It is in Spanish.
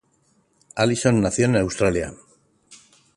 Allison nació en Australia.